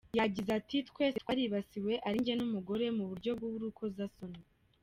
Yagize ati “Twese twaribasiwe ari njye n’umugore, mu buryo bw’urukozasoni.